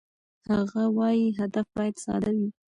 هغه وايي، هدف باید ساده وي.